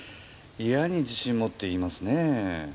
いやに自信もって言いますねぇ。